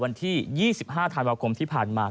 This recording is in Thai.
บินไทยบินไทยสุวารีโคศกคณะรักษาความสมบัติ